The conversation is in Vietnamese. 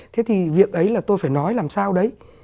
thế thì việc ấy là tôi phải nói làm sao đấy